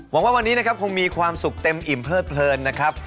หวังว่าวันนี้นะครับคงมีความสุขเต็มอิ่มเพลิดเพลินนะครับ